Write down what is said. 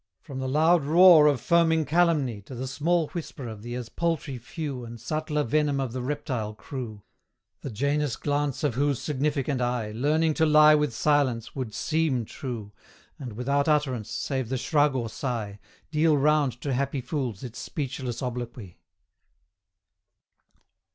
From the loud roar of foaming calumny To the small whisper of the as paltry few And subtler venom of the reptile crew, The Janus glance of whose significant eye, Learning to lie with silence, would SEEM true, And without utterance, save the shrug or sigh, Deal round to happy fools its speechless obloquy.